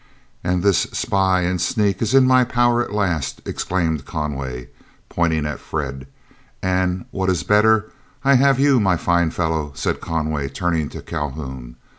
"And this spy and sneak is in my power at last," exclaimed Conway, pointing at Fred; "and what is better I have you, my fine fellow," said Conway, turning to Calhoun.